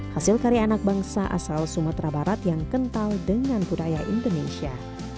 hasil karya anak bangsa asal sumatera barat yang kental dengan budaya indonesia